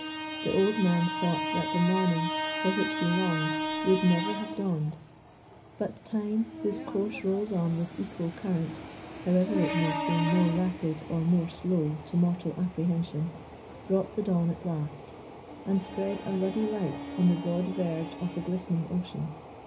The old man thought that the morning, for which he longed, would never have dawned; but time, whose course rolls on with equal current, however it may seem more rapid or more slow to mortal apprehension, brought the dawn at last, and spread a ruddy light on the broad verge of the glistening ocean.